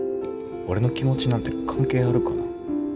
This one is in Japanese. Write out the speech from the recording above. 俺の気持ちなんて関係あるかな？